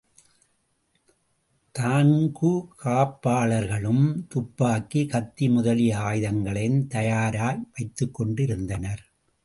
தான்கு காப்பாளர்களும் துப்பாக்கி, கத்தி முதலிய ஆயுதங்களையும் தயாராப் வைத்துக் கொண்டிருந்தனர்.